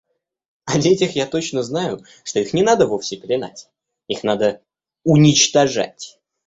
О детях я точно знаю, что их не надо вовсе пеленать, их надо уничтожать.